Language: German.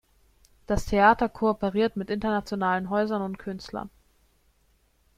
Das Theater kooperiert mit internationalen Häusern und Künstlern.